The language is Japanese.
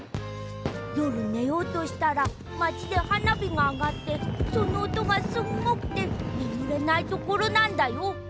よるねようとしたらまちではなびがあがってそのおとがすっごくてねむれないところなんだよ。